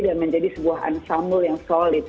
dan menjadi sebuah ensemble yang solid